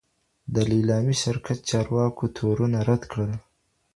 د ليلامۍ شرکت چارواکو تورونه رد کړل.